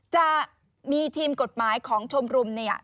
จะมีทีมกฎหมายของชมรมเนี่ย